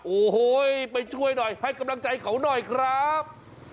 โอ้โหไปช่วยหน่อยให้กำลังใจเขาหน่อยครับ